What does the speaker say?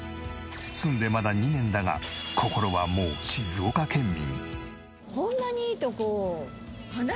住んでまだ２年だが心はもう静岡県民。